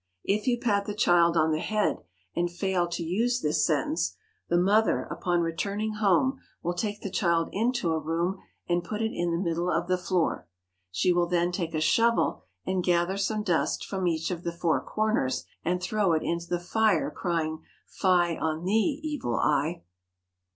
If you pat the child on the head and fail to use this sentence, the mother upon returning home will take the child into a room and put it in the middle of the floor. She will then take a shovel and gather some dust from each of the four corners, and throw it into the fire, crying: "Fie on thee, evil eye."